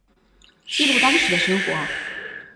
记录当时的生活